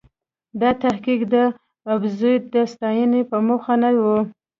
دا تحقیق د ابوزید د ستاینې په موخه نه و.